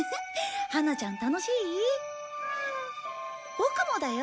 ボクもだよ。